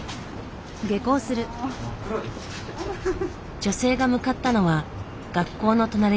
女性が向かったのは学校の隣にある建物。